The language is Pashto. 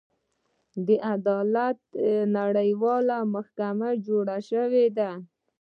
د عدالت نړیواله محکمه جوړه شوې ده.